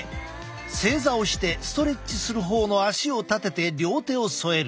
正座をしてストレッチする方の足を立てて両手を添える。